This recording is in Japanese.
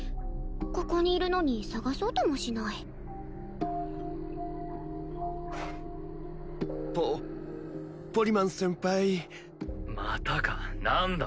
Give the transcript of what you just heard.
ここにいるのに捜そうともしないポポリマン先輩またか何だ？